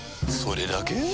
それだけ？